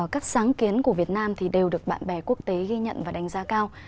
các sáng kiến của việt nam thì đều được bạn bè quốc tế ghi nhận và đánh giá cao